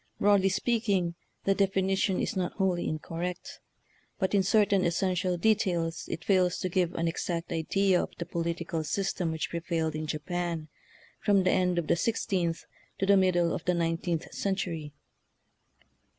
Broad ly speaking, the definition is not wholly incorrect, but in certain essential details it fails to give an exact idea of the politi cal system which prevailed in Japan from the end of the sixteenth to the middle of the nineteenth century.